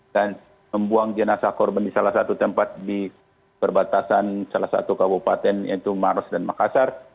dan membuang jenazah korban di salah satu tempat di perbatasan salah satu kabupaten yaitu maros dan makassar